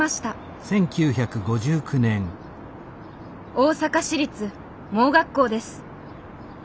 大阪市立盲学校です。